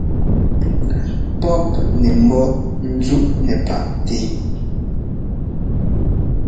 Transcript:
Pɔ́p nɛ mbɔ́ nzúʼnɛ paʼtɛ.